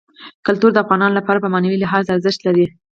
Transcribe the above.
کلتور د افغانانو لپاره په معنوي لحاظ ارزښت لري.